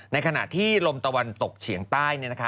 ในขณะที่ลมตะวันตกเฉียงใต้